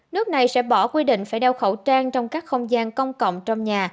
người sẽ bỏ quy định phải đeo khẩu trang trong các không gian công cộng trong nhà